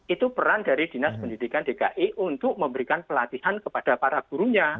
itu peran dari dinas pendidikan dki untuk memberikan pelatihan kepada para gurunya